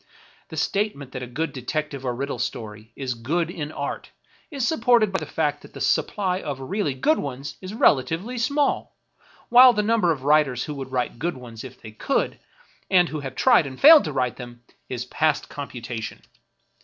The statement that a good detective or riddle story is good in art is supported by the fact that the supply of really good ones is relatively small, while the number of writers who would write good ones if they could, and who have tried and failed to write them, is past computation.